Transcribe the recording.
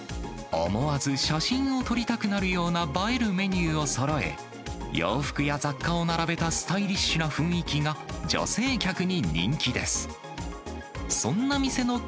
思わず写真を撮りたくなるような映えるメニューをそろえ、洋服や雑貨を並べたスタイリッシュな雰囲気が、女性客に人気です。